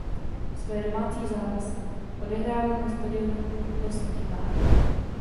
Své domácí zápasy odehrával na stadionu West Leigh Park.